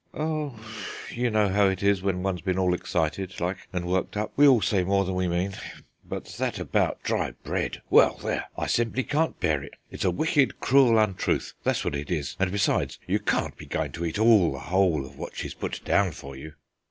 "Oh, you know how it is when one's been all excited like and worked up; we all say more than we mean. But that about dry bread! Well, there! I simply can't bear it. It's a wicked, cruel untruth, that's what it is; and besides, you can't be going to eat all the whole of what she's put down for you."